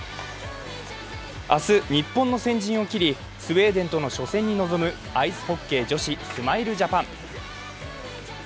明日、日本の先陣を切り、スウェーデンとの初戦に臨むアイスホッケー女子、スマイルジャパン。